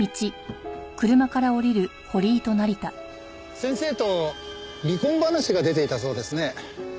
先生と離婚話が出ていたそうですね。